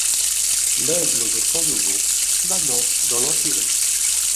L'aigle des temps nouveaux, planant dans l'empyrée